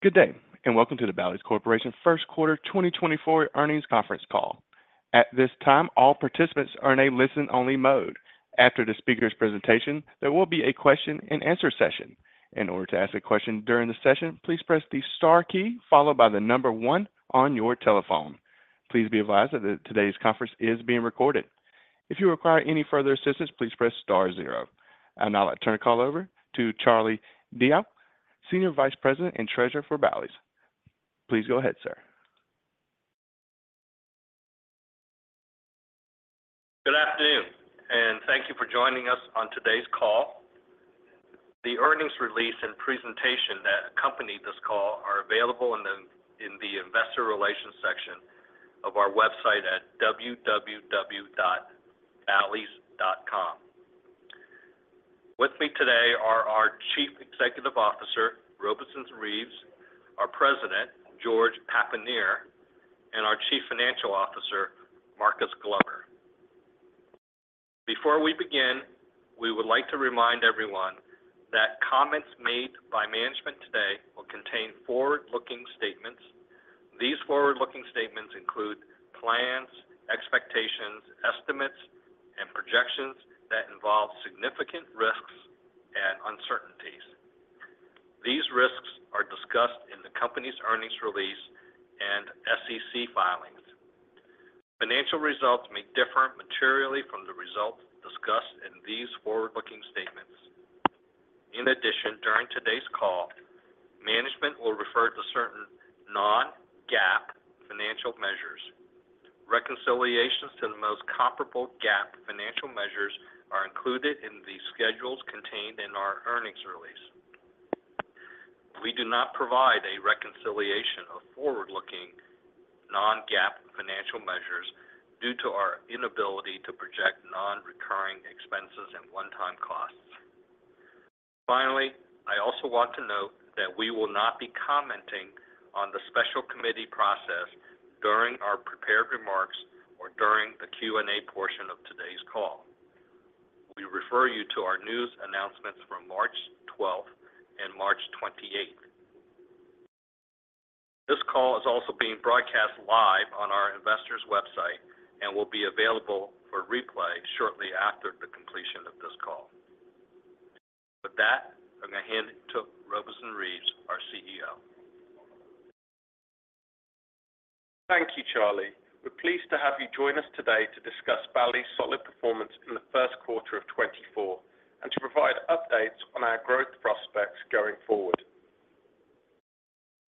Good day and welcome to the Bally's Corporation First Quarter 2024 Earnings Conference Call. At this time, all participants are in a listen-only mode. After the speaker's presentation, there will be a question-and-answer session. In order to ask a question during the session, please press the star key followed by the number 1 on your telephone. Please be advised that today's conference is being recorded. If you require any further assistance, please press star 0. I'll now turn the call over to Charlie Diao, Senior Vice President and Treasurer for Bally's. Please go ahead, sir. Good afternoon and thank you for joining us on today's call. The earnings release and presentation that accompanied this call are available in the Investor Relations section of our website at www.ballys.com. With me today are our Chief Executive Officer, Robeson Reeves; our President, George Papanier; and our Chief Financial Officer, Marcus Glover. Before we begin, we would like to remind everyone that comments made by management today will contain forward-looking statements. These forward-looking statements include plans, expectations, estimates, and projections that involve significant risks and uncertainties. These risks are discussed in the company's earnings release and SEC filings. Financial results may differ materially from the results discussed in these forward-looking statements. In addition, during today's call, management will refer to certain non-GAAP financial measures. Reconciliations to the most comparable GAAP financial measures are included in the schedules contained in our earnings release. We do not provide a reconciliation of forward-looking non-GAAP financial measures due to our inability to project non-recurring expenses and one-time costs. Finally, I also want to note that we will not be commenting on the special committee process during our prepared remarks or during the Q&A portion of today's call. We refer you to our news announcements from March 12th and March 28th. This call is also being broadcast live on our investors' website and will be available for replay shortly after the completion of this call. With that, I'm going to hand it to Robeson Reeves, our CEO. Thank you, Charlie. We're pleased to have you join us today to discuss Bally's solid performance in the first quarter of 2024 and to provide updates on our growth prospects going forward.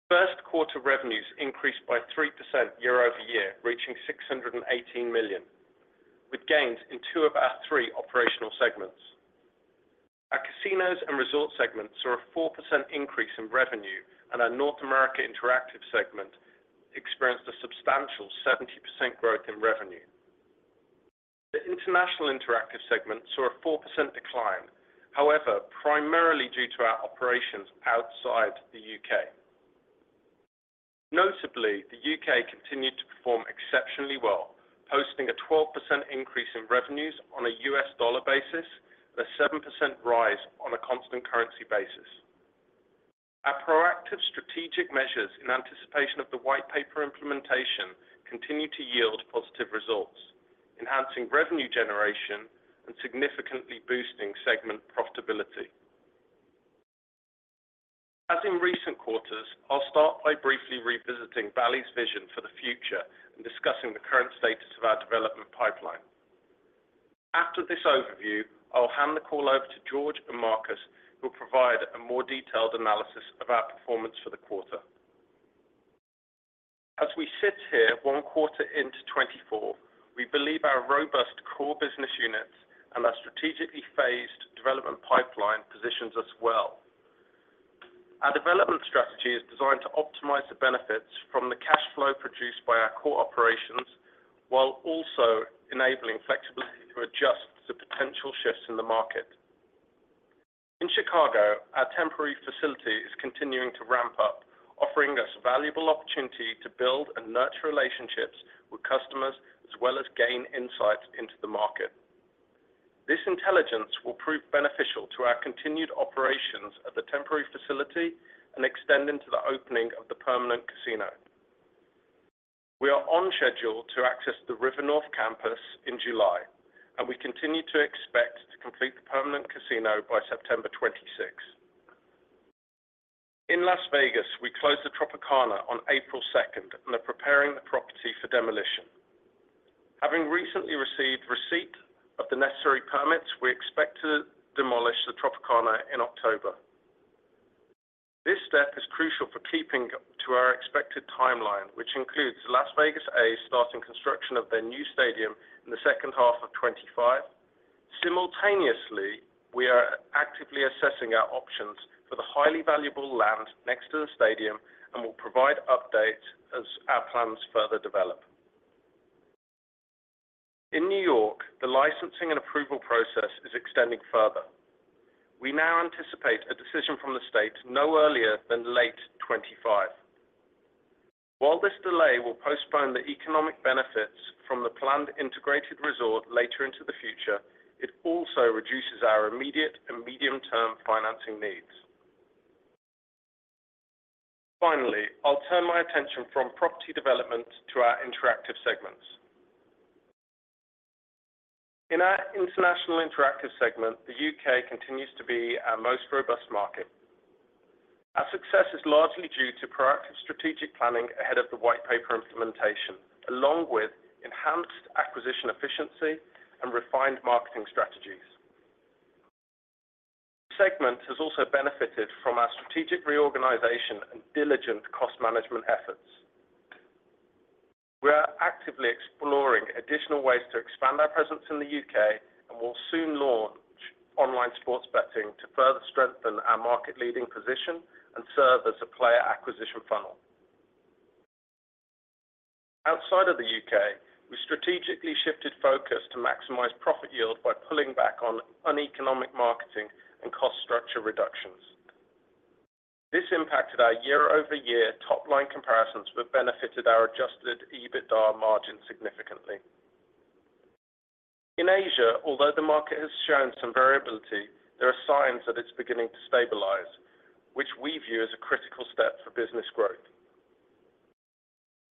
First quarter revenues increased by 3% year-over-year, reaching $618,000,000, with gains in two of our three operational segments. Our Casinos and Resorts segment As in recent quarters, I'll start by briefly revisiting Bally's vision for the future and discussing the current status of our development pipeline. After this overview, I'll hand the call over to George and Marcus, who will provide a more detailed analysis of our performance for the quarter. As we sit here one quarter into 2024, we believe our robust core business units and our strategically phased development pipeline positions us well. Our development strategy is designed to optimize the benefits from the cash flow produced by our core operations while also enabling flexibility to adjust to potential shifts in the market. In Chicago, our temporary facility is continuing to ramp up, offering us a valuable opportunity to build and nurture relationships with customers as well as gain insights into the market. This intelligence will prove beneficial to our continued operations at the temporary facility and extend into the opening of the permanent casino. We are on schedule to access the River North campus in July, and we continue to expect to complete the permanent casino by September 26th. In Las Vegas, we closed the Tropicana on April 2nd and are preparing the property for demolition. Having recently received receipt of the necessary permits, we expect to demolish the Tropicana in October. This step is crucial for keeping to our expected timeline, which includes Las Vegas A's starting construction of their new stadium in the second half of 2025. Simultaneously, we are actively assessing our options for the highly valuable land next to the stadium and will provide updates as our plans further develop. In New York, the licensing and approval process is extending further. We now anticipate a decision from the state no earlier than late 2025. While this delay will postpone the economic benefits from the planned integrated resort later into the future, it also reduces our immediate and medium-term financing needs. Finally, I'll turn my attention from property development to our interactive segments. In our International Interactive segment, the UK continues to be our most robust market. Our success is largely due to proactive strategic planning ahead of the White Paper implementation, along with enhanced acquisition efficiency and refined marketing strategies. The segment has also benefited from our strategic reorganization and diligent cost management efforts. We are actively exploring additional ways to expand our presence in the UK and will soon launch online sports betting to further strengthen our market-leading position and serve as a player acquisition funnel. Outside of the UK, we strategically shifted focus to maximize profit yield by pulling back on uneconomic marketing and cost structure reductions. This impacted our year-over-year top-line comparisons but benefited our Adjusted EBITDA margin significantly. In Asia, although the market has shown some variability, there are signs that it's beginning to stabilize, which we view as a critical step for business growth.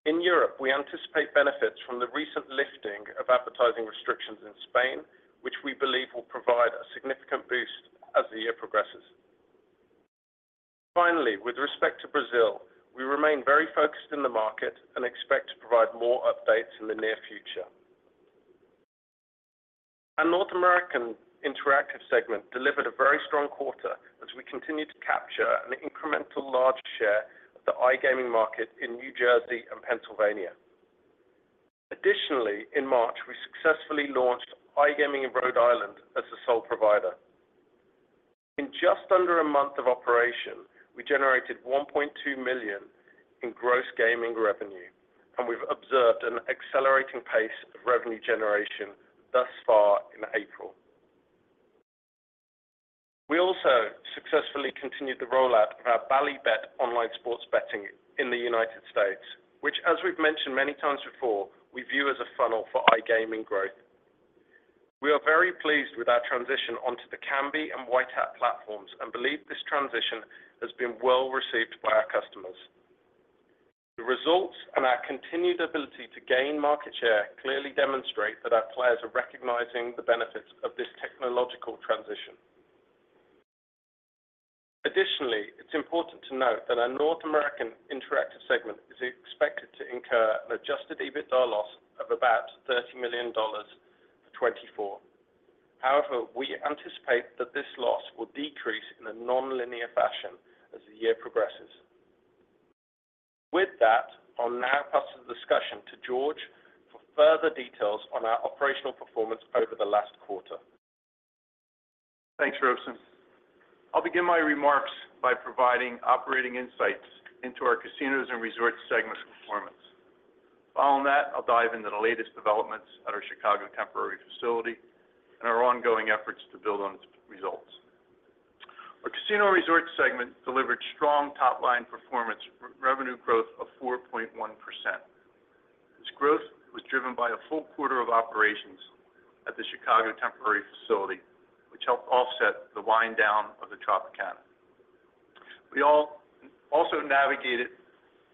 In Europe, we anticipate benefits from the recent lifting of advertising restrictions in Spain, which we believe will provide a significant boost as the year progresses. Finally, with respect to Brazil, we remain very focused in the market and expect to provide more updates in the near future. Our North American Interactive segment delivered a very strong quarter as we continue to capture an incremental large share of the iGaming market in New Jersey and Pennsylvania. Additionally, in March, we successfully launched iGaming in Rhode Island as the sole provider. In just under a month of operation, we generated $1,200,000 in gross gaming revenue, and we've observed an accelerating pace of revenue generation thus far in April. We also successfully continued the rollout of our Bally Bet online sports betting in the United States, which, as we've mentioned many times before, we view as a funnel for iGaming growth. We are very pleased with our transition onto the Kambi and White Hat platforms and believe this transition has been well received by our customers. The results and our continued ability to gain market share clearly demonstrate that our players are recognizing the benefits of this technological transition. Additionally, it's important to note that our North American Interactive segment is expected to incur an Adjusted EBITDA loss of about $30,000,000 for 2024. However, we anticipate that this loss will decrease in a non-linear fashion as the year progresses. With that, I'll now pass the discussion to George for further details on our operational performance over the last quarter. Thanks, Robeson. I'll begin my remarks by providing operating insights into our Casinos and Resorts segment's performance. Following that, I'll dive into the latest developments at our Chicago temporary facility and our ongoing efforts to build on its results. Our casino and resort segment delivered strong top-line performance revenue growth of 4.1%. This growth was driven by a full quarter of operations at the Chicago temporary facility, which helped offset the wind-down of the Tropicana. We also navigated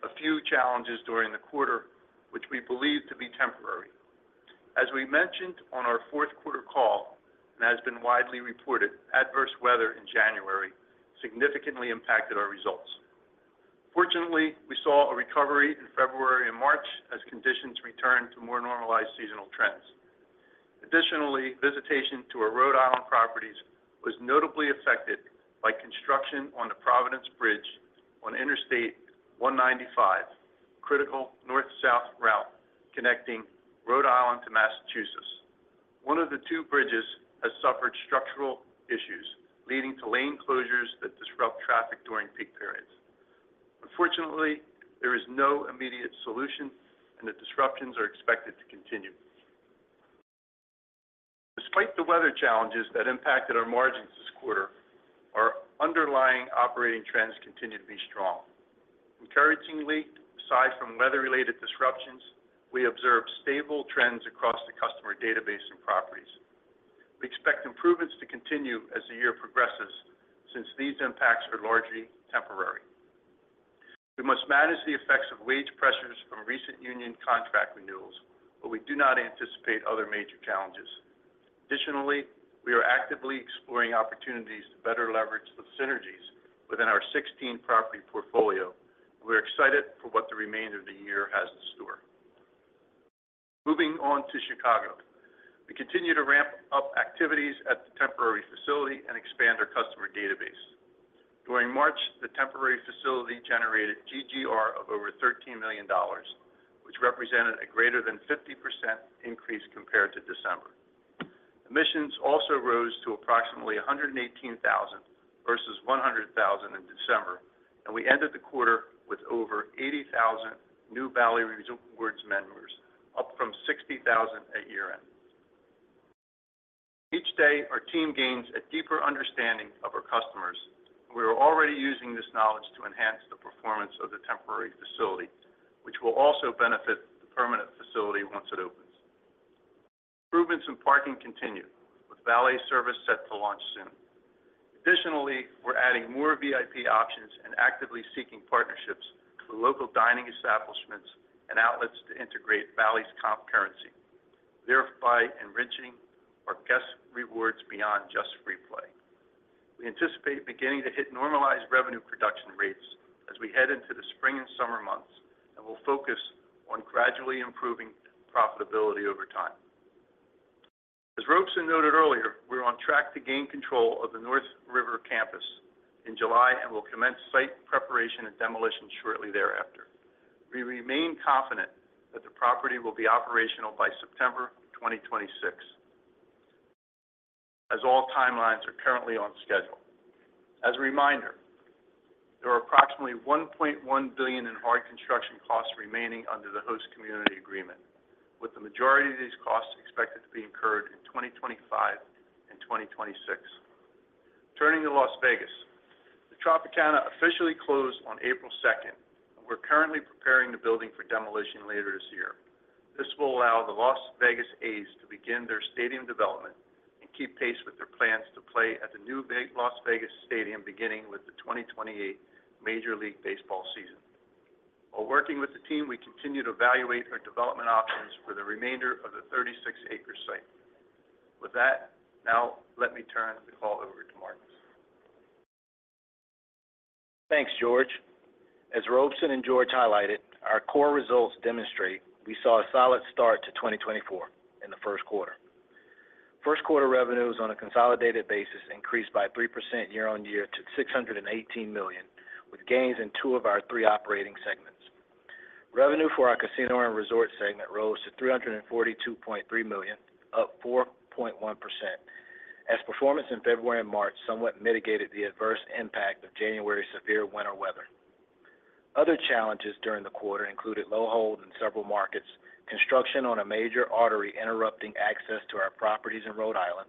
a few challenges during the quarter, which we believe to be temporary. As we mentioned on our fourth quarter call and has been widely reported, adverse weather in January significantly impacted our results. Fortunately, we saw a recovery in February and March as conditions returned to more normalized seasonal trends. Additionally, visitation to our Rhode Island properties was notably affected by construction on the Providence Bridge on Interstate 195, critical north-south route connecting Rhode Island to Massachusetts. One of the two bridges has suffered structural issues, leading to lane closures that disrupt traffic during peak periods. Unfortunately, there is no immediate solution, and the disruptions are expected to continue. Despite the weather challenges that impacted our margins this quarter, our underlying operating trends continue to be strong. Encouragingly, aside from weather-related disruptions, we observe stable trends across the customer database and properties. We expect improvements to continue as the year progresses since these impacts are largely temporary. We must manage the effects of wage pressures from recent union contract renewals, but we do not anticipate other major challenges. Additionally, we are actively exploring opportunities to better leverage the synergies within our 16-property portfolio, and we're excited for what the remainder of the year has in store. Moving on to Chicago, we continue to ramp up activities at the temporary facility and expand our customer database. During March, the temporary facility generated GGR of over $13,000,000, which represented a greater than 50% increase compared to December. Admissions also rose to approximately 118,000 versus 100,000 in December, and we ended the quarter with over 80,000 new Bally Rewards members up from 60,000 at year-end. Each day, our team gains a deeper understanding of our customers, and we are already using this knowledge to enhance the performance of the temporary facility, which will also benefit the permanent facility once it opens. Improvements in parking continue, with Ballyverse set to launch soon. Additionally, we're adding more VIP options and actively seeking partnerships through local dining establishments and outlets to integrate Bally's comp currency, thereby enriching our guest rewards beyond just free play. We anticipate beginning to hit normalized revenue production rates as we head into the spring and summer months and will focus on gradually improving profitability over time. As Robeson noted earlier, we're on track to gain control of the River North campus in July and will commence site preparation and demolition shortly thereafter. We remain confident that the property will be operational by September 2026, as all timelines are currently on schedule. As a reminder, there are approximately $1,100,000,000 in hard construction costs remaining under the host community agreement, with the majority of these costs expected to be incurred in 2025 and 2026. Turning to Las Vegas, the Tropicana officially closed on April 2nd, and we're currently preparing the building for demolition later this year. This will allow the Las Vegas A's to begin their stadium development and keep pace with their plans to play at the new Las Vegas Stadium beginning with the 2028 Major League Baseball season. While working with the team, we continue to evaluate our development options for the remainder of the 36-acre site. With that, now let me turn the call over to Marcus. Thanks, George. As Robeson and George highlighted, our core results demonstrate we saw a solid start to 2024 in the first quarter. First quarter revenues on a consolidated basis increased by 3% year-on-year to $618,000,000, with gains in two of our three operating segments. Revenue for our casino and resort segment rose to $342,300,000, up 4.1%, as performance in February and March somewhat mitigated the adverse impact of January's severe winter weather. Other challenges during the quarter included low hold in several markets, construction on a major artery interrupting access to our properties in Rhode Island,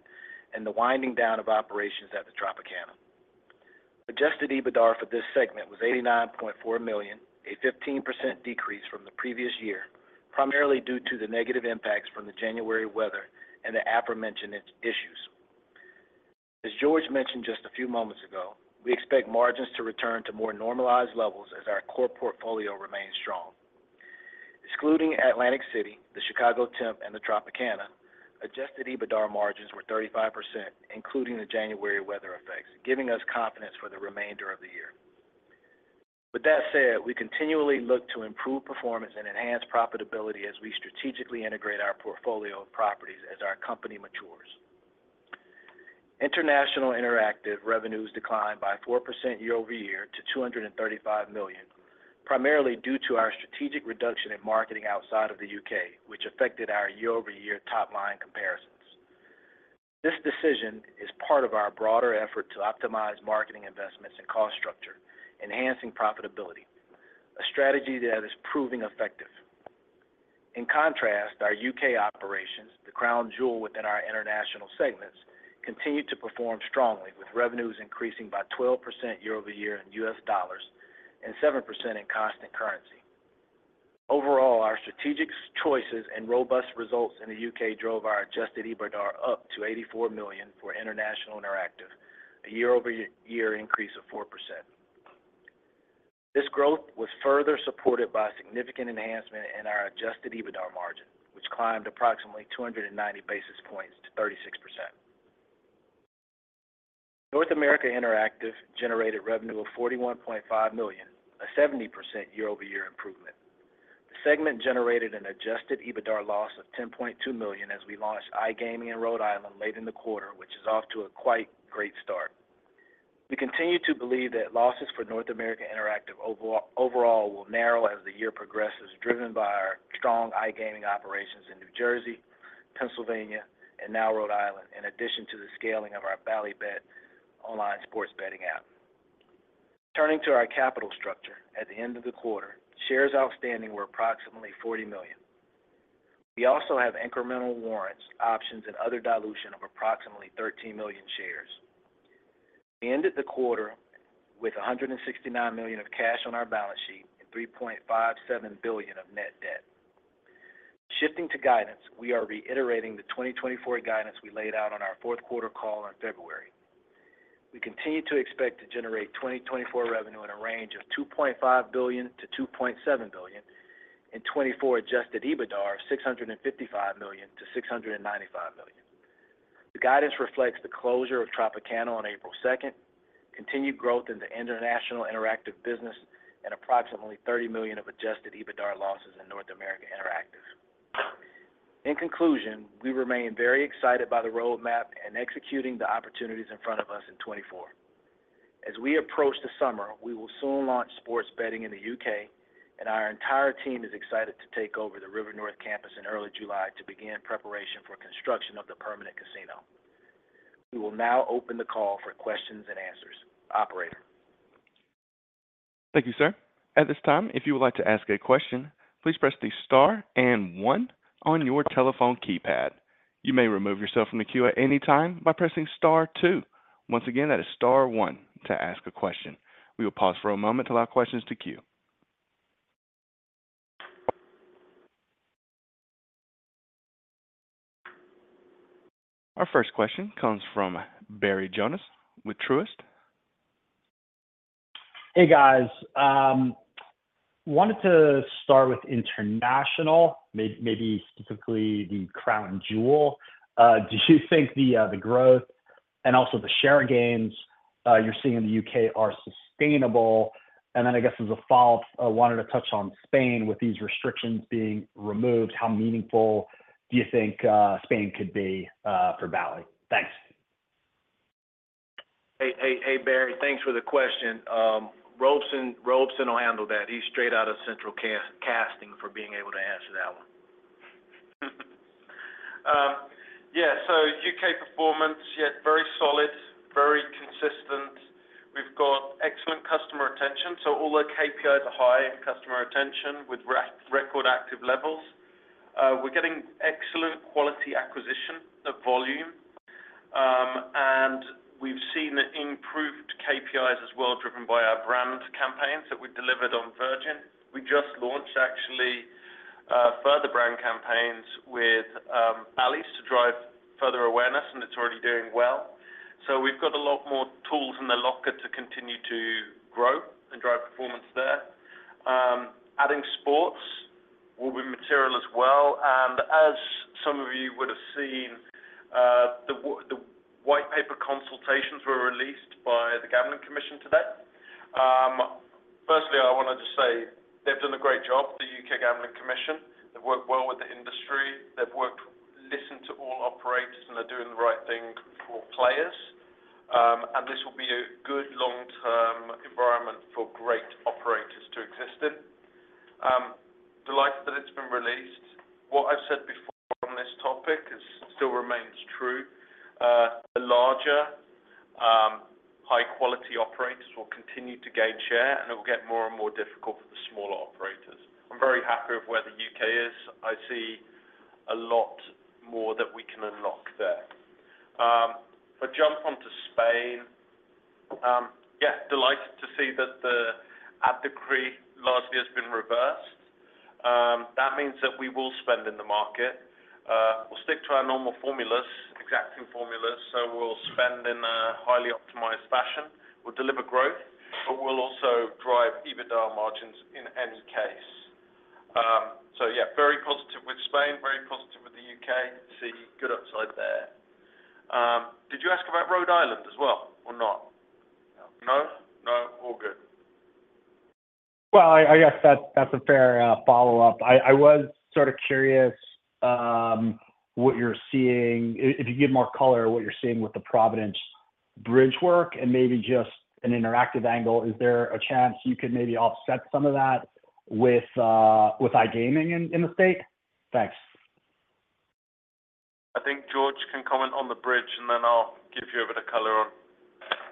and the winding down of operations at the Tropicana. Adjusted EBITDA for this segment was $89,400,000, a 15% decrease from the previous year, primarily due to the negative impacts from the January weather and the aforementioned issues. As George mentioned just a few moments ago, we expect margins to return to more normalized levels as our core portfolio remains strong. Excluding Atlantic City, the Chicago Temp, and the Tropicana, adjusted EBITDA margins were 35%, including the January weather effects, giving us confidence for the remainder of the year. With that said, we continually look to improve performance and enhance profitability as we strategically integrate our portfolio of properties as our company matures. International Interactive revenues declined by 4% year-over-year to $235,000,000, primarily due to our strategic reduction in marketing outside of the UK, which affected our year-over-year top-line comparisons. This decision is part of our broader effort to optimize marketing investments and cost structure, enhancing profitability, a strategy that is proving effective. In contrast, our UK operations, the crown jewel within our international segments, continue to perform strongly, with revenues increasing by 12% year-over-year in US dollars and 7% in constant currency. Overall, our strategic choices and robust results in the UK drove our Adjusted EBITDA up to $84,000,000 for International Interactive, a year-over-year increase of 4%. This growth was further supported by significant enhancement in our Adjusted EBITDA margin, which climbed approximately 290 basis points to 36%. North America Interactive generated revenue of $41,500,000, a 70% year-over-year improvement. The segment generated an Adjusted EBITDA loss of $10,200,000 as we launched iGaming in Rhode Island late in the quarter, which is off to a quite great start. We continue to believe that losses for North America Interactive overall will narrow as the year progresses, driven by our strong iGaming operations in New Jersey, Pennsylvania, and now Rhode Island, in addition to the scaling of our Bally Bet online sports betting app. Turning to our capital structure, at the end of the quarter, shares outstanding were approximately 40,000,000. We also have incremental warrants, options, and other dilution of approximately 13,000,000 shares. We ended the quarter with $169,000,000 of cash on our balance sheet and $3,570,000,000 of net debt. Shifting to guidance, we are reiterating the 2024 guidance we laid out on our fourth quarter call in February. We continue to expect to generate 2024 revenue in a range of $2,500,000,000-$2,700,000,000, and 2024 adjusted EBITDA of $655,000,000-$695,000,000. The guidance reflects the closure of Tropicana on April 2nd, continued growth in the International Interactive business, and approximately $30,000,000 of Adjusted EBITDA losses in North America Interactive. In conclusion, we remain very excited by the roadmap and executing the opportunities in front of us in 2024. As we approach the summer, we will soon launch sports betting in the UK, and our entire team is excited to take over the River North campus in early July to begin preparation for construction of the permanent casino. We will now open the call for questions and answers. Operator. Thank you, sir. At this time, if you would like to ask a question, please press the star and one on your telephone keypad. You may remove yourself from the queue at any time by pressing star two. Once again, that is star one to ask a question. We will pause for a moment to allow questions to queue. Our first question comes from Barry Jonas with Truist. Hey, guys. Wanted to start with international, maybe specifically the crown jewel. Do you think the growth and also the share gains you're seeing in the UK are sustainable? And then, I guess, as a follow-up, wanted to touch on Spain. With these restrictions being removed, how meaningful do you think Spain could be for Bally? Thanks. Hey, hey, hey, Barry. Thanks for the question. Robeson'll handle that. He's straight out of Central Casting for being able to answer that one. Yeah. So UK performance is yet very solid, very consistent. We've got excellent customer retention, so all our KPIs are high in customer retention with record active levels. We're getting excellent quality acquisition of volume. And we've seen improved KPIs as well, driven by our brand campaigns that we delivered on Virgin. We just launched, actually, further brand campaigns with Bally's to drive further awareness, and it's already doing well. So we've got a lot more tools in the locker to continue to grow and drive performance there. Adding sports will be material as well. And as some of you would have seen, the White Paper consultations were released by the Gambling Commission today. Firstly, I wanna just say they've done a great job, the UK Gambling Commission. They've worked well with the industry. They've worked and listened to all operators, and they're doing the right thing for players. This will be a good long-term environment for great operators to exist in. Delighted that it's been released. What I've said before on this topic still remains true. The larger, high-quality operators will continue to gain share, and it will get more and more difficult for the smaller operators. I'm very happy with where the UK is. I see a lot more that we can unlock there. If I jump onto Spain, yeah, delighted to see that the ad decree largely has been reversed. That means that we will spend in the market. We'll stick to our normal formulas, exacting formulas, so we'll spend in a highly optimized fashion. We'll deliver growth, but we'll also drive EBITDA margins in any case. So yeah, very positive with Spain, very positive with the UK. See good upside there. Did you ask about Rhode Island as well or not? No. No? No? All good. Well, I guess that's a fair follow-up. I was sort of curious, what you're seeing if you give more color, what you're seeing with the Providence Bridge work and maybe just an interactive angle. Is there a chance you could maybe offset some of that with iGaming in the state? Thanks. I think George can comment on the bridge, and then I'll give you a bit of color on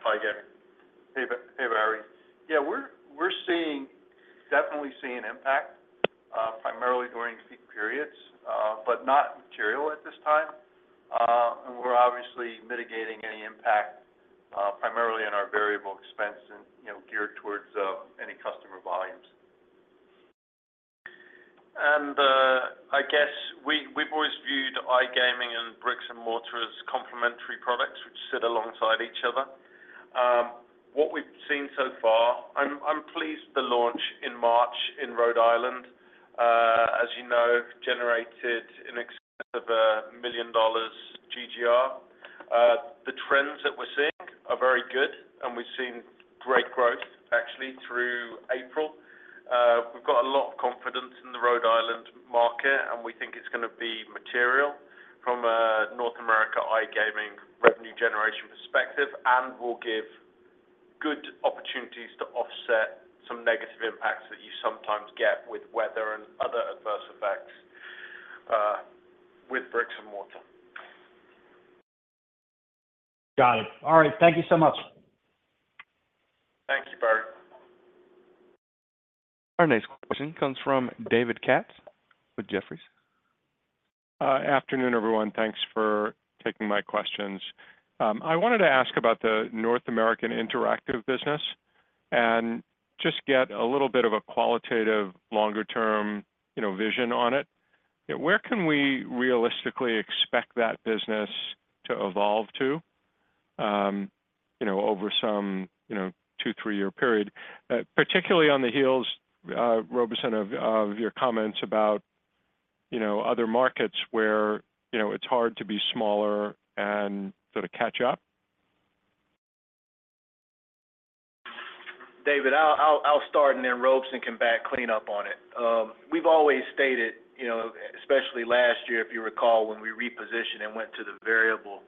iGaming. Hey, Barry. Yeah, we're definitely seeing impact, primarily during peak periods, but not material at this time. And we're obviously mitigating any impact, primarily in our variable expense and, you know, geared towards any customer volumes. And, I guess we've always viewed iGaming and bricks and mortar as complementary products, which sit alongside each other. What we've seen so far, I'm pleased with the launch in March in Rhode Island. As you know, generated an excess of $1,000,000 GGR. The trends that we're seeing are very good, and we've seen great growth, actually, through April. We've got a lot of confidence in the Rhode Island market, and we think it's gonna be material from a North America iGaming revenue generation perspective, and will give good opportunities to offset some negative impacts that you sometimes get with weather and other adverse effects, with bricks and mortar. Got it. All right. Thank you so much. Thank you, Barry. Our next question comes from David Katz with Jefferies. Afternoon, everyone. Thanks for taking my questions. I wanted to ask about the North American Interactive business and just get a little bit of a qualitative, longer-term, you know, vision on it. You know, where can we realistically expect that business to evolve to, you know, over some, you know, 2-3-year period, particularly on the heels, Robeson, of, of your comments about, you know, other markets where, you know, it's hard to be smaller and sort of catch up? David, I'll start, and then Robeson can back me up on it. We've always stated, you know, especially last year, if you recall, when we repositioned and went to the variable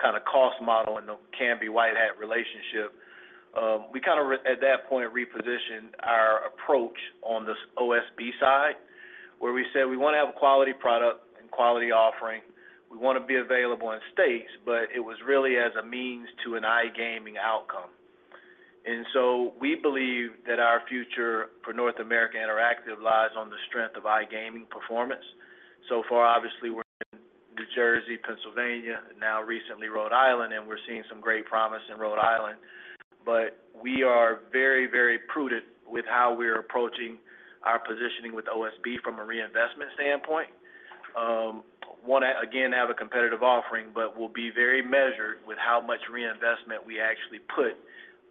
kind of cost model and the Kambi White Hat relationship, we kind of, at that point, repositioned our approach on this OSB side, where we said we wanna have a quality product and quality offering. We wanna be available in states, but it was really as a means to an iGaming outcome. And so we believe that our future for North America Interactive lies on the strength of iGaming performance. So far, obviously, we're in New Jersey, Pennsylvania, and now recently Rhode Island, and we're seeing some great promise in Rhode Island. But we are very, very prudent with how we're approaching our positioning with OSB from a reinvestment standpoint. Wanna again have a competitive offering, but will be very measured with how much reinvestment we actually put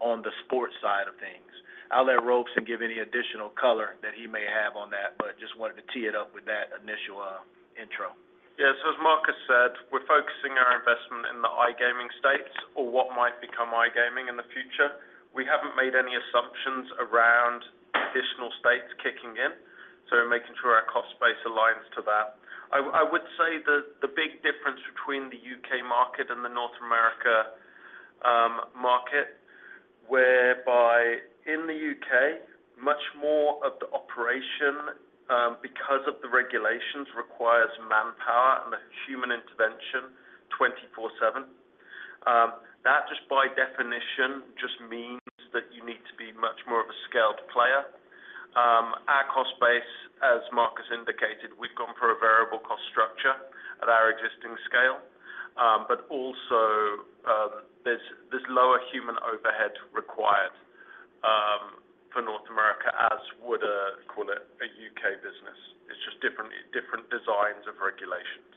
on the sports side of things. I'll let Robeson give any additional color that he may have on that, but just wanted to tee it up with that initial intro. Yeah. So as Marcus said, we're focusing our investment in the iGaming states or what might become iGaming in the future. We haven't made any assumptions around additional states kicking in, so we're making sure our cost base aligns to that. I, I would say the, the big difference between the UK market and the North American market whereby in the UK, much more of the operation, because of the regulations, requires manpower and human intervention 24/7. That just by definition just means that you need to be much more of a scaled player. Our cost base, as Marcus indicated, we've gone for a variable cost structure at our existing scale, but also, there's, there's lower human overhead required for North America as would a, call it, a UK business. It's just different, different designs of regulations.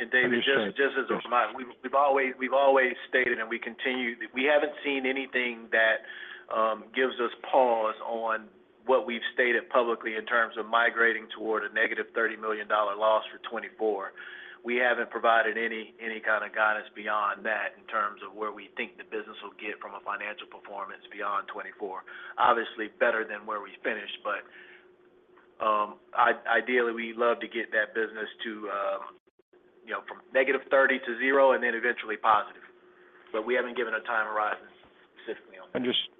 And David, just as a reminder, we've always stated, and we continue that we haven't seen anything that gives us pause on what we've stated publicly in terms of migrating toward a negative $30,000,000 loss for 2024. We haven't provided any kind of guidance beyond that in terms of where we think the business will get from a financial performance beyond 2024. Obviously, better than where we finished, but ideally, we'd love to get that business to, you know, from negative $30,000,000 to $0 and then eventually positive. But we haven't given a time horizon specifically on that. Understood.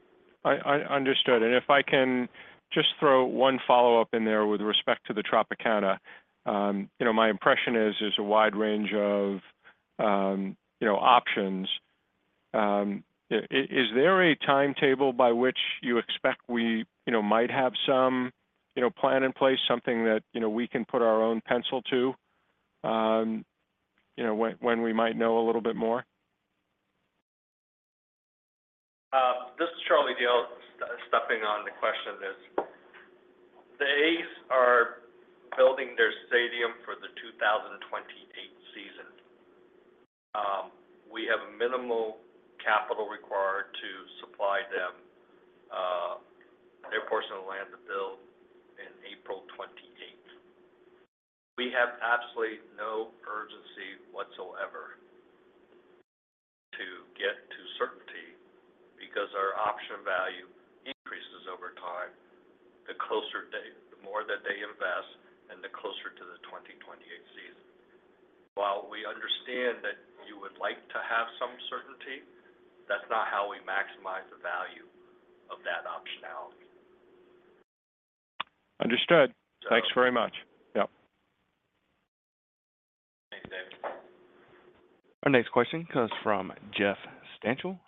I understood. If I can just throw one follow-up in there with respect to the Tropicana, you know, my impression is there's a wide range of, you know, options. Is there a timetable by which you expect we, you know, might have some, you know, plan in place, something that, you know, we can put our own pencil to, you know, when we might know a little bit more? This is Charlie Diao stepping in on the question. The A's are building their stadium for the 2028 season. We have minimal capital required to supply them their portion of the land to build in April 2028. We have absolutely no urgency whatsoever to get to certainty because our option value increases over time the closer they, the more that they invest and the closer to the 2028 season. While we understand that you would like to have some certainty, that's not how we maximize the value of that optionality. Understood. Thanks very much. Yep. Thanks, David. Our next question comes from Jeff Stantial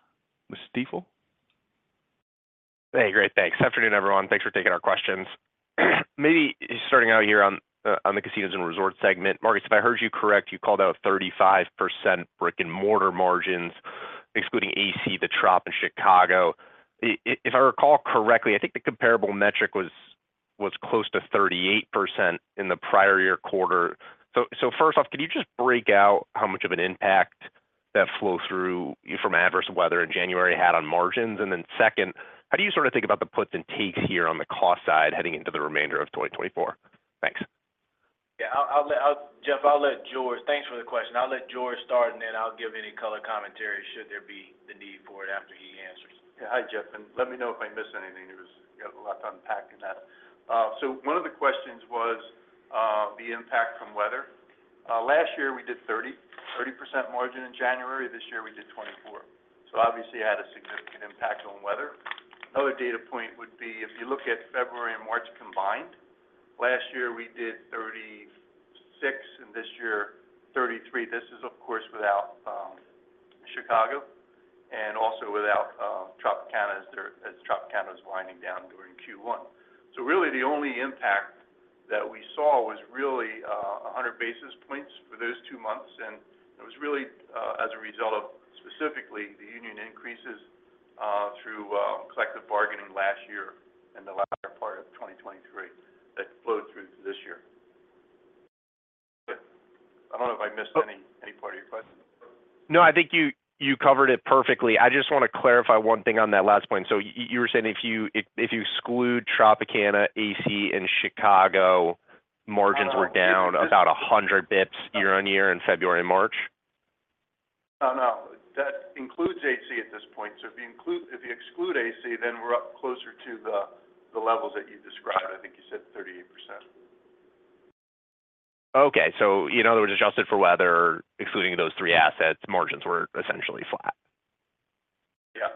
with Stifel. Hey, great. Thanks. Afternoon, everyone. Thanks for taking our questions. Maybe starting out here on the casinos and resorts segment, Marcus, if I heard you correct, you called out 35% brick-and-mortar margins excluding AC, the Trop, and Chicago. If I recall correctly, I think the comparable metric was close to 38% in the prior year quarter. So first off, could you just break out how much of an impact that flow-through, you know, from adverse weather in January had on margins? And then second, how do you sort of think about the puts and takes here on the cost side heading into the remainder of 2024? Thanks. Yeah. I'll let Jeff. I'll let George. Thanks for the question. I'll let George start, and then I'll give any color commentary should there be the need for it after he answers. Yeah. Hi, Jeff. And let me know if I missed anything. It's got a lot to unpack in that. So one of the questions was the impact from weather. Last year, we did 30% margin in January. This year, we did 24%. So obviously, it had a significant impact on weather. Another data point would be if you look at February and March combined, last year, we did 36%, and this year, 33%. This is, of course, without Chicago and also without Tropicana, as Tropicana's winding down during Q1. So really, the only impact that we saw was really 100 basis points for those two months. And it was really as a result of specifically the union increases through collective bargaining last year and the latter part of 2023 that flowed through to this year. I don't know if I missed any, any part of your question. No, I think you covered it perfectly. I just wanna clarify one thing on that last point. So you were saying if you exclude Tropicana, AC, and Chicago, margins were down about 100 basis points year-over-year in February and March? No, no. That includes AC at this point. So if you exclude AC, then we're up closer to the levels that you described. I think you said 38%. Okay. In other words, adjusted for weather, excluding those three assets, margins were essentially flat. Yeah.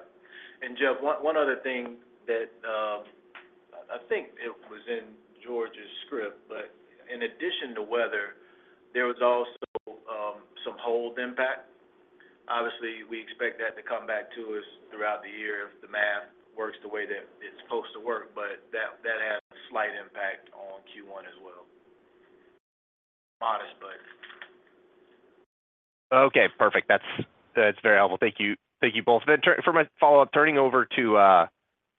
And Jeff, one other thing that I think it was in George's script, but in addition to weather, there was also some hold impact. Obviously, we expect that to come back to us throughout the year if the math works the way that it's supposed to work, but that has a slight impact on Q1 as well. Modest, but. Okay. Perfect. That's, that's very helpful. Thank you. Thank you both. Then turning for my follow-up, turning over to, to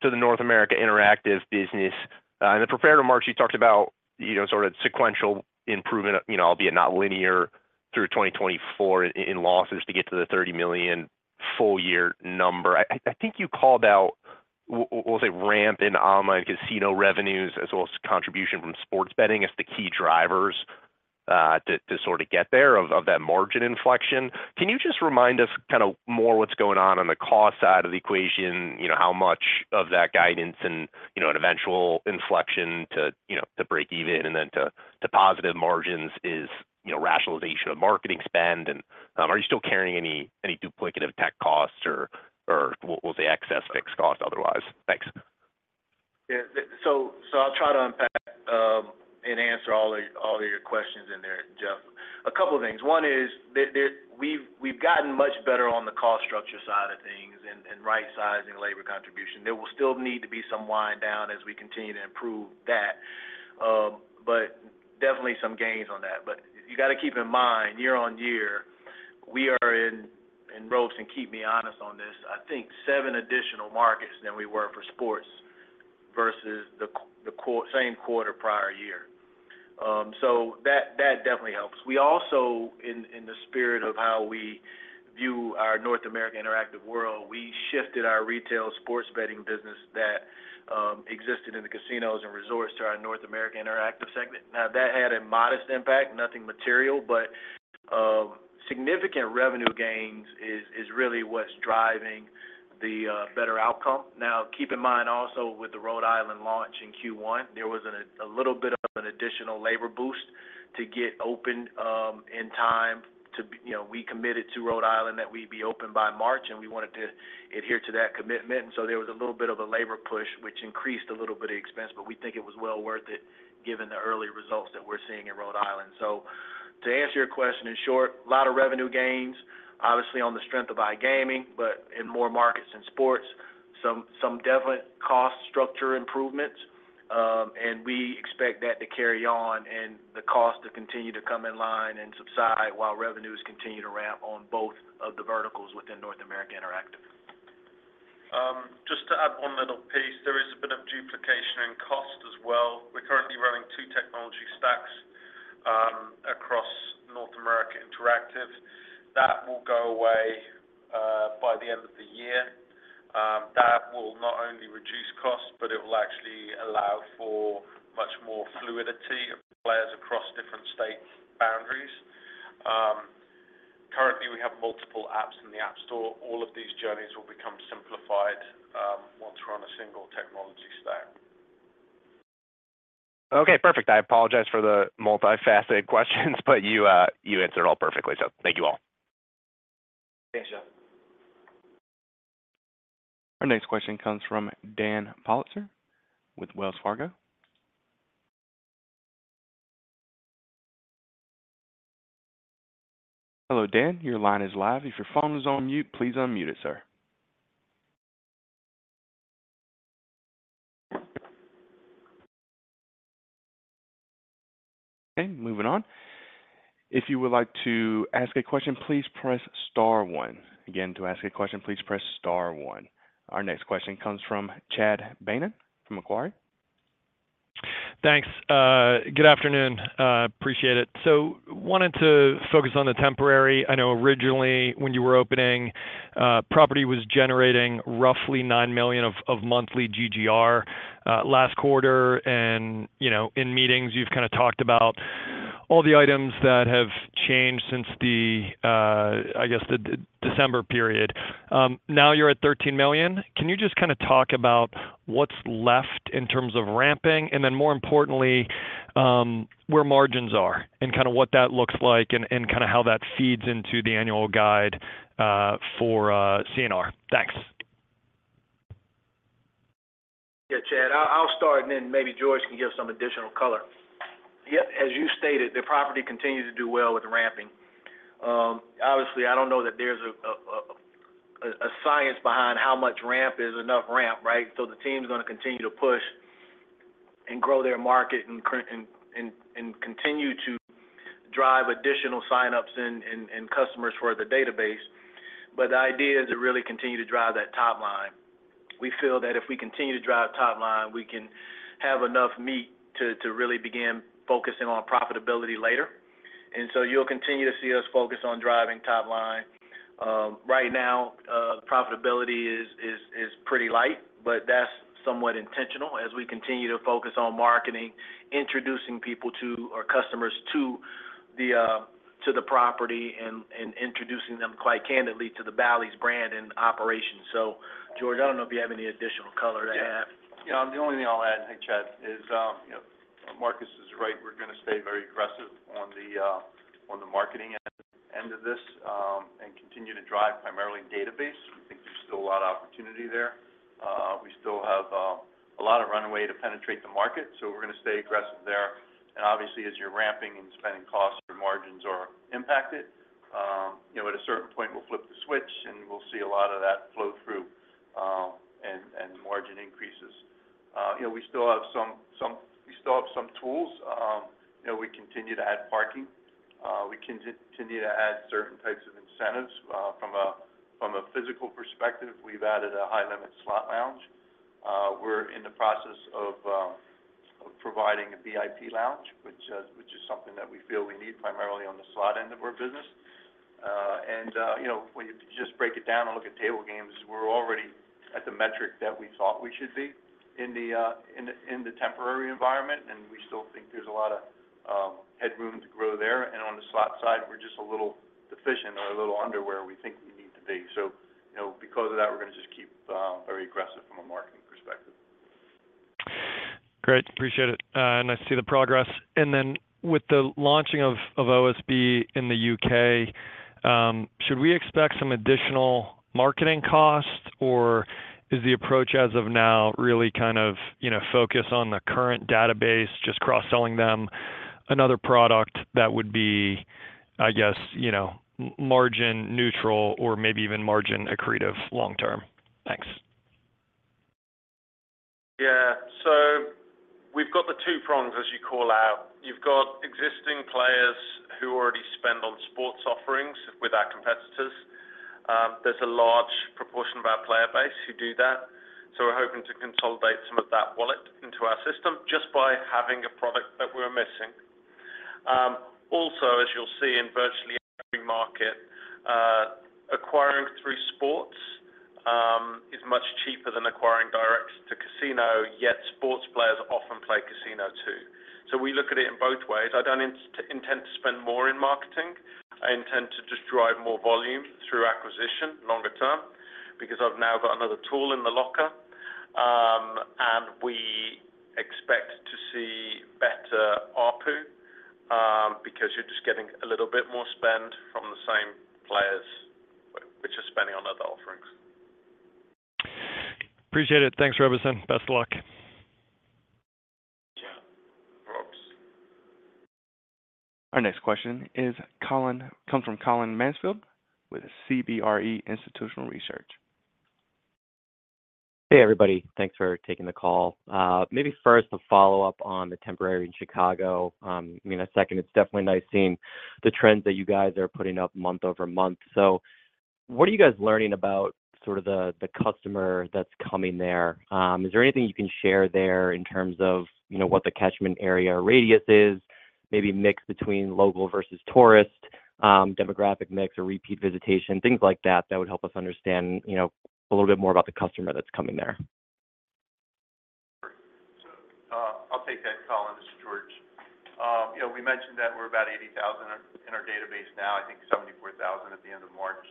the North America Interactive business. In the preparatory remarks, you talked about, you know, sort of sequential improvement, you know, albeit not linear through 2024 in, in losses to get to the $30,000,000 full-year number. I, I, I think you called out w-we'll say ramp in online casino revenues as well as contribution from sports betting as the key drivers, to, to sort of get there of, of that margin inflection. Can you just remind us kind of more what's going on on the cost side of the equation, you know, how much of that guidance and, you know, an eventual inflection to, you know, to break even and then to, to positive margins is, you know, rationalization of marketing spend? Are you still carrying any duplicative tech costs or we'll say excess fixed costs otherwise? Thanks. Yeah. So, I'll try to unpack and answer all of your questions in there, Jeff. A couple of things. One is, we've gotten much better on the cost structure side of things and right-sizing labor contribution. There will still need to be some wind down as we continue to improve that, but definitely some gains on that. But you gotta keep in mind year-on-year, we are in Robeson, keep me honest on this, I think seven additional markets than we were for sports versus the same quarter prior year. So that definitely helps. We also, in the spirit of how we view our North America Interactive world, we shifted our retail sports betting business that existed in the casinos and resorts to our North America Interactive segment. Now, that had a modest impact, nothing material, but significant revenue gains is really what's driving the better outcome. Now, keep in mind also with the Rhode Island launch in Q1, there was a little bit of an additional labor boost to get open in time to be, you know, we committed to Rhode Island that we'd be open by March, and we wanted to adhere to that commitment. And so there was a little bit of a labor push, which increased a little bit of expense, but we think it was well worth it given the early results that we're seeing in Rhode Island. So to answer your question in short, a lot of revenue gains, obviously, on the strength of iGaming, but in more markets and sports, some definite cost structure improvements, and we expect that to carry on and the cost to continue to come in line and subside while revenues continue to ramp on both of the verticals within North America Interactive. Just to add one little piece, there is a bit of duplication in cost as well. We're currently running two technology stacks, across North America Interactive. That will go away, by the end of the year. That will not only reduce costs, but it will actually allow for much more fluidity of players across different state boundaries. Currently, we have multiple apps in the App Store. All of these journeys will become simplified, once we're on a single technology stack. Okay. Perfect. I apologize for the multifaceted questions, but you, you answered it all perfectly, so thank you all. Thanks, Jeff. Our next question comes from Dan Politzer with Wells Fargo. Hello, Dan. Your line is live. If your phone is on mute, please unmute it, sir. Okay. Moving on. If you would like to ask a question, please press star 1. Again, to ask a question, please press star 1. Our next question comes from Chad Beynon from Macquarie. Thanks. Good afternoon. Appreciate it. So wanted to focus on the temporary. I know originally, when you were opening, property was generating roughly $9,000,000 of monthly GGR last quarter. And, you know, in meetings, you've kind of talked about all the items that have changed since the, I guess, the December period. Now you're at $13,000,000. Can you just kind of talk about what's left in terms of ramping and then, more importantly, where margins are and kind of what that looks like and kind of how that feeds into the annual guide for CNR? Thanks. Yeah, Chad. I'll start, and then maybe George can give some additional color. Yep. As you stated, the property continues to do well with ramping. Obviously, I don't know that there's a science behind how much ramp is enough ramp, right? So the team's gonna continue to push and grow their market and continue to drive additional signups in customers for the database. But the idea is to really continue to drive that top line. We feel that if we continue to drive top line, we can have enough meat to really begin focusing on profitability later. And so you'll continue to see us focus on driving top line. Right now, profitability is pretty light, but that's somewhat intentional as we continue to focus on marketing, introducing people to our customers to the property and introducing them quite candidly to the Bally's brand and operations. So, George, I don't know if you have any additional color to add. Yeah. Yeah. The only thing I'll add, hey, Chad, is, you know, Marcus is right. We're gonna stay very aggressive on the marketing end of this, and continue to drive primarily database. We think there's still a lot of opportunity there. We still have a lot of runway to penetrate the market, so we're gonna stay aggressive there. And obviously, as you're ramping and spending, costs or margins are impacted, you know, at a certain point, we'll flip the switch, and we'll see a lot of that flow-through, and margin increases. You know, we still have some tools. You know, we continue to add parking. We can continue to add certain types of incentives. From a physical perspective, we've added a high-limit slot lounge. We're in the process of providing a VIP lounge, which is something that we feel we need primarily on the slot end of our business. And, you know, when you just break it down and look at table games, we're already at the metric that we thought we should be in the temporary environment, and we still think there's a lot of headroom to grow there. And on the slot side, we're just a little deficient or a little under where we think we need to be. So, you know, because of that, we're gonna just keep very aggressive from a marketing perspective. Great. Appreciate it. Nice to see the progress. And then with the launching of, of OSB in the U.K., should we expect some additional marketing costs, or is the approach as of now really kind of, you know, focus on the current database, just cross-selling them another product that would be, I guess, you know, margin-neutral or maybe even margin-accretive long-term? Thanks. Yeah. So we've got the two prongs, as you call out. You've got existing players who already spend on sports offerings with our competitors. There's a large proportion of our player base who do that. So we're hoping to consolidate some of that wallet into our system just by having a product that we were missing. Also, as you'll see in virtually every market, acquiring through sports is much cheaper than acquiring directs to casino, yet sports players often play casino too. So we look at it in both ways. I don't intend to spend more in marketing. I intend to just drive more volume through acquisition longer term because I've now got another tool in the locker. And we expect to see better ARPU, because you're just getting a little bit more spend from the same players which are spending on other offerings. Appreciate it. Thanks, Robeson. Best of luck. Chad, Robes. Our next question comes from Colin Mansfield with CBRE Institutional Research. Hey, everybody. Thanks for taking the call. Maybe first, a follow-up on the temporary in Chicago. I mean, a second, it's definitely nice seeing the trends that you guys are putting up month-over-month. So what are you guys learning about sort of the, the customer that's coming there? Is there anything you can share there in terms of, you know, what the catchment area radius is, maybe mix between local versus tourist, demographic mix or repeat visitation, things like that that would help us understand, you know, a little bit more about the customer that's coming there? Sure. So, I'll take that, Colin. This is George. You know, we mentioned that we're about 80,000 in our database now. I think 74,000 at the end of March.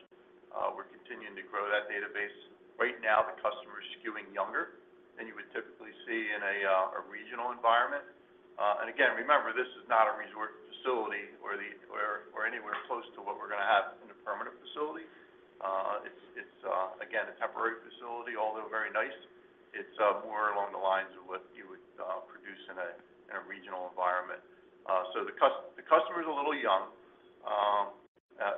We're continuing to grow that database. Right now, the customer's skewing younger than you would typically see in a regional environment. And again, remember, this is not a resort facility or anywhere close to what we're gonna have in a permanent facility. It's again a temporary facility, although very nice. It's more along the lines of what you would produce in a regional environment. So the customer's a little young.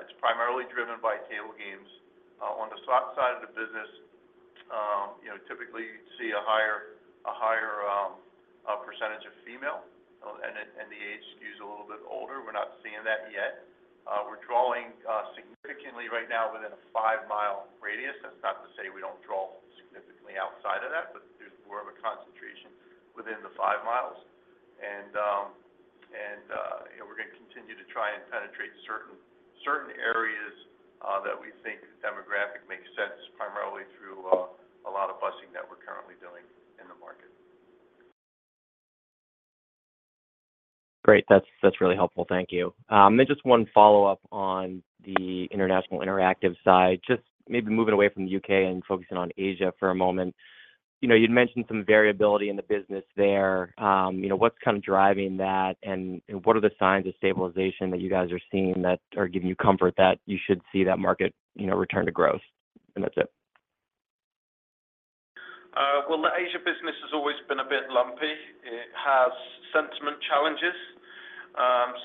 It's primarily driven by table games. On the slot side of the business, you know, typically, you'd see a higher percentage of female, and the age skews a little bit older. We're not seeing that yet. We're drawing significantly right now within a five-mile radius. That's not to say we don't draw significantly outside of that, but there's more of a concentration within the five miles. You know, we're gonna continue to try and penetrate certain areas that we think the demographic makes sense primarily through a lot of bussing that we're currently doing in the market. Great. That's, that's really helpful. Thank you. Then just one follow-up on the International Interactive side, just maybe moving away from the UK and focusing on Asia for a moment. You know, you'd mentioned some variability in the business there. You know, what's kind of driving that, and, and what are the signs of stabilization that you guys are seeing that are giving you comfort that you should see that market, you know, return to growth? And that's it. Well, the Asia business has always been a bit lumpy. It has sentiment challenges.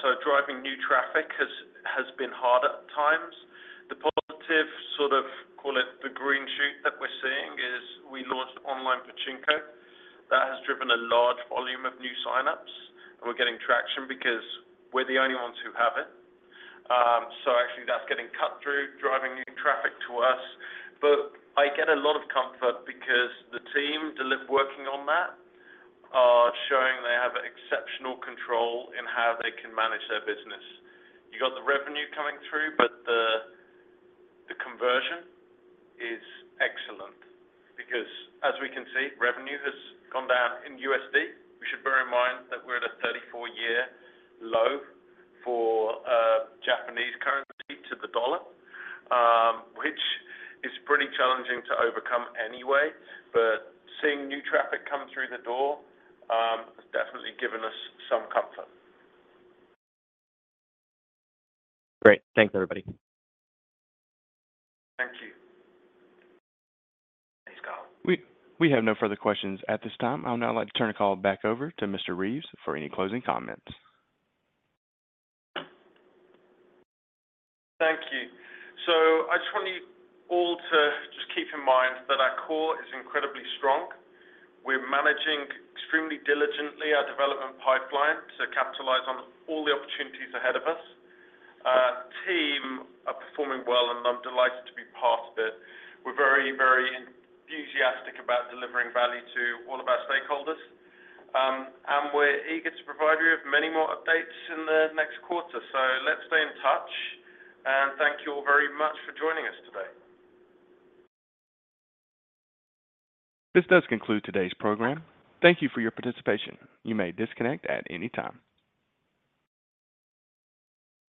So driving new traffic has been hard at times. The positive, sort of call it the green shoot that we're seeing is we launched online pachinko. That has driven a large volume of new signups, and we're getting traction because we're the only ones who have it. So actually, that's getting cut through, driving new traffic to us. But I get a lot of comfort because the team there working on that are showing they have exceptional control in how they can manage their business. You got the revenue coming through, but the conversion is excellent because, as we can see, revenue has gone down in USD. We should bear in mind that we're at a 34-year low for Japanese currency to the dollar, which is pretty challenging to overcome anyway. But seeing new traffic come through the door, has definitely given us some comfort. Great. Thanks, everybody. Thank you. Thanks, Carl. We have no further questions at this time. I'll now like to turn the call back over to Mr. Reeves for any closing comments. Thank you. So I just want you all to just keep in mind that our core is incredibly strong. We're managing extremely diligently our development pipeline to capitalize on all the opportunities ahead of us. The team are performing well, and I'm delighted to be part of it. We're very, very enthusiastic about delivering value to all of our stakeholders. And we're eager to provide you with many more updates in the next quarter. So let's stay in touch, and thank you all very much for joining us today. This does conclude today's program. Thank you for your participation. You may disconnect at any time.